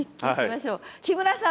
木村さん。